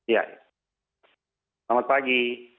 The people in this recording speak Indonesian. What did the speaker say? ya selamat pagi